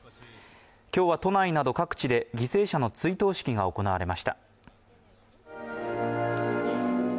今日は都内など各地で犠牲者の追悼式が行われました。